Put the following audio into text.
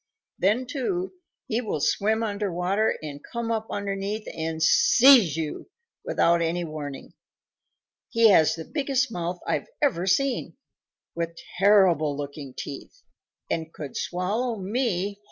Then, too, he will swim under water and come up underneath and seize you without any warning. He has the biggest mouth I've ever seen, with terrible looking teeth, and could swallow me whole."